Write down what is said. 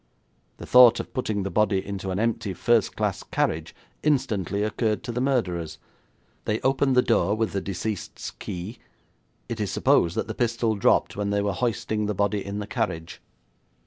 The thought of putting the body into an empty first class carriage instantly occurred to the murderers. They opened the door with the deceased's key. It is supposed that the pistol dropped when they were hoisting the body in the carriage.